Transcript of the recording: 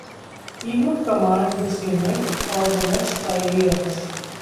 He would command this unit for the next five years.